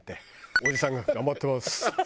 おじさんが「がんばってます」。